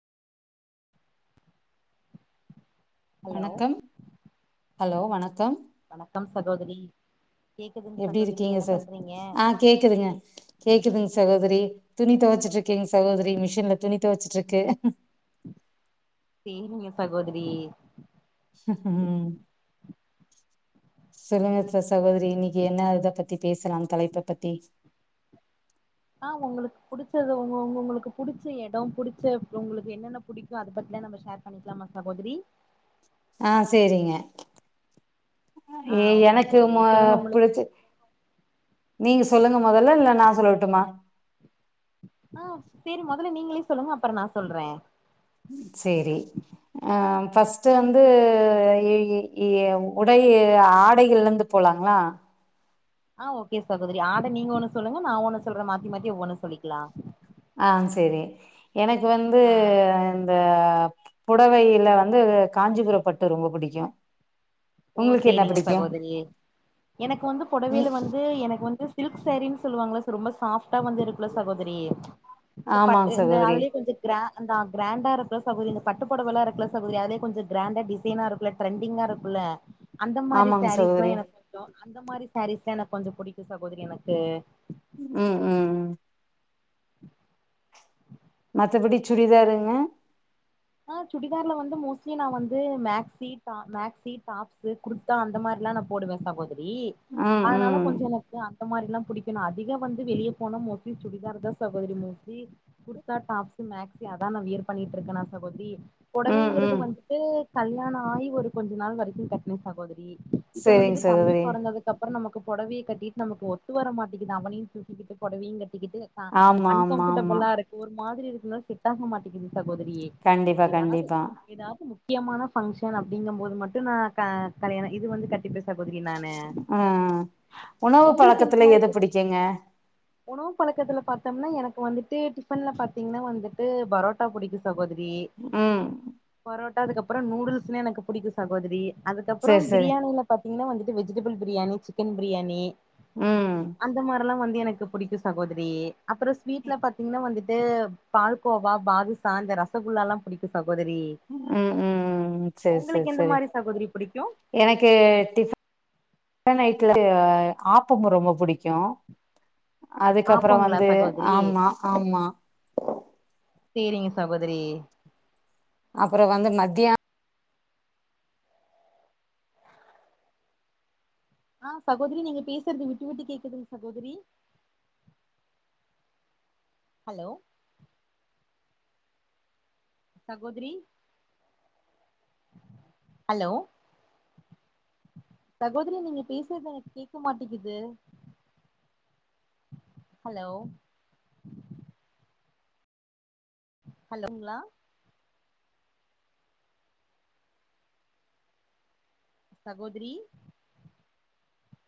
hello வணக்கம் hello வணக் கம் வணக்கம் சகோதரி கேக்குதுங் எப்பிடி சகோதரி இருக்கீங்க என்ன சார் பண்றீங்க ஆஹ் கேக்குதுங்க கேக்குதுங்க சகோதரி துணி துவச்சிட்டு இருக்கேங்க சகோதரி மிஷின்ல துணி துவச்சிட்டு இருக்கு செரிங்க சகோதரி ம் சொல்லுங்க ச சகோதரி இன்னைக்கு என்ன இத பத்தி பேசலாம் தலைப்ப பத்தி ஆஹ் உங்களுக்கு புடிச்சது உ உங்க உங்களுக்கு புடிச்ச இடம் புடிச்ச உங்களுக்கு என்னென்ன புடிக்கும் அதை பத்திலாம் நம்ம ஷேர் பண்ணிக்கலாமா சகோதரி ஆஹ் சேரிங்க ஆ ஏ ஓகே எனக்கு மொ சகோதரி சொல்லுங்க உங்களுக்கு பிடிச்ச நீங்க சொல்லுங்க மொதல்ல இல்ல நான் சொல்லட்டுமா ஆஹ் சேரி முதல்ல நீங்களே சொல்லுங்க அப்புறம் நான் சொல்றேன் சேரி அஹ் பஃஸ்ட்டு வந்து எ உடை ஆடைகள்ல இருந்து போலாங்கிளா ஆஹ் ஓகே சகோதரி ஆட நீங்க ஒண்ணு சொல்லுங்க நான் ஒண்ணு சொல்ற மாத்தி மாத்தி ஒவ்வொன்னு சொல்லிக்கலாம் ஆஹ் சேரி எனக்கு வந்து ஆ இந்த புடவையில வந்து காஞ்சிபுரம் பட்டு ரொம்ப புடிக்கும் ஓ சேரிங்க சகோதரி எனக்கு வந்து ம் புடவையில வந்து எனக்கு வந்து சில்க் செரீன்னு சொல்லுவாங்காலா ச ரொம்ப சாப்ட் ட்டா வந்து இருக்குல சகோதரி இந்த பட்டு ஆமாங் இந்த சகோதரி அதுலயே கொஞ்ச கிரா அந்த கிராண்டா இருக்குல்ல சகோதரி அந்த பட்டுபுடவைலா இருக்குல சகோதரி அதுலே கொஞ்சம் கிராண்டா டிசைனா இருக்குல்ல ட்ரெண்டிங்கா இருக்குல்ல அந்த மாரி ஆமாங் சாரீஸ்லா சகோதரி எனக்கு புடிக்கு அந்த மாரி சாரீஸ் எனக்கு வந்து புடிக்கு சகோதரி எனக்கு உம் உம் உம் [inaudible] மத்தபடி சுடிதாருங்க ஆஹ் சுடிதார்ல வந்து மோஸ்ட்லி நா வந்து மேக்சி டா மேக்சி டாப்சு குர்த்தா அந்த மாரில்லா நா போடுவே சகோதரி ம் அதனால ம் கொஞ்ச எனக் கு அந்த மாரிலா புடிக்கு நா அதிக வந்து வெளிய போனா மோஸ்ட்லி சுடிதார்தா சகோதரி மோஸ்ட்லி குர்த்தா டாப்ஸு மேக்ஸி அதா நா வியர் பண்ணிட்டு இருக்கே நா சகோதரி ம் பொடவைங்கறது ம் வந்துட்டு கல்யாணோ ஆயி ஒரு கொஞ்ச நாள் வரைக்கு கட்ன சகோதரி இப்ப சேரிங் வந்துட்டு தம்பி சகோதரி பிறந்ததுக்கு அப்புற நம்ம க்கு பொடவைய கட்டிட்டு நமக்கு ஒத்து வர மாட்டிங்து அவனையு தூக்கிக்கிட்டு பொடவையு கட் டிக்கிட்டு அ ஆமா ஆமா ஆமா அன்கம்ஃபர்டபுளா இருக்கு ஒரு மாதிரி இருக்குலா செட்டாக மாட்டேங்குது சகோதரி கண்டிப்பா கண்டிப்பா க்கியமான பங்க்ஷன் அப்டிங்கும் போது மட்டு நா க கல்யாணோ இது வந்து கட் டிப்ப சகோதரி நானு ஆ உணவு உங்களுக்கு எந்த பழக்கத்துல மாரி எது பிடிக்குங்க [unintelligible] உணவு பழக்கத்துல பாத் பாத்தம்னா எனக்கு வந்துட்டு டிஃபன்ல பாத்தீங்கன்னா வந்துட்டு பரோட்டா பிடிக்கு சகோதரி உம் பரோட்டா அதுக்கு அப்றோ நூடுல்ஸ்னே எனக்கு புடிக்கு சகோதரி அதுக்கப்றோ சேரி சேரி பிரியாணியில பாத்தீங்கன்னா வந்து வெஜிடபிள் பிரியாணி சிக்கன் பிரியாணி ம் அந்த மாரில்லா வந் து எனக்கு பிடிக்கு சகோதரி அப்றோ ஸ்வீட்ல பாத்தீங்கன்னா வந்துட்டு பால்கோவா பாதுசா இந்த ரசகுல்லால்லா புடிக்கு ச உம் உம் சரி சரி உங்களுக்கு எந்த சரி மாரி சகோதரி புடிக்கு எனக்கு டிஃப ன் ஐட் [unintelligible] ஆப்பம் ரொம்ப புடிக்கு அதுக்கப்புற ஆப்பங்களா வந்து சகோதரி ஆமா ஆமா சேரிங்க சகோதரி அப்புற வந்து மத்தியோ ஆஹ் சகோதரி நீங்க பேசுறது விட்டு விட்டு கேக்குதுங்க சகோதரி ஹலோ சகோதரி ஹலோ சகோதரி நீங்க பேசுறது எனக்கு கேக்க மாட்டேங்குது ஹலோ ஹலோ க்கீங்களா சகோதரி